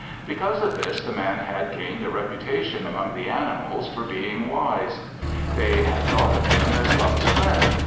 Because of this the Man had gained a reputation among the animals for being wise. They had thought of him as God's friend.